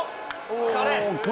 これ。